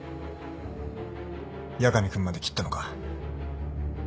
八神君まで切ったのか。